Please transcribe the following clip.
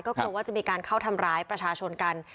กลัวว่าจะมีการเข้าทำร้ายประชาชนกัน